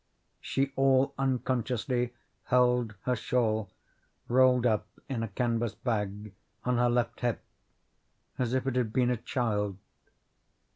She all unconsciously held her shawl, rolled up in a canvas bag, on her left hip, as if it had been a child.